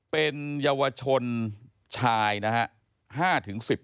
เป็นเยาวชนชายนะครับ